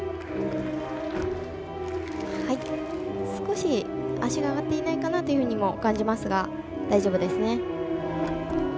少し、足が上がっていないかなとも感じますが大丈夫ですね。